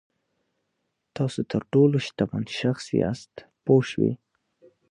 تاسو تر ټولو شتمن شخص یاست پوه شوې!.